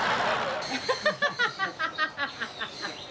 และเดี๋ยวเรามาดูกันว่าคนอายุ๘๐อยู่บนใบหน้าก่อนจะเป็นอย่างไร